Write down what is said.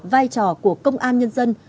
vai trò của công an nhân dân